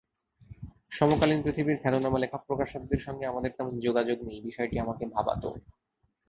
সমকালীন পৃথিবীর খ্যাতনামা লেখক-প্রকাশকদের সঙ্গে আমাদের তেমন যোগাযোগ নেই—বিষয়টি আমাকে ভাবাত।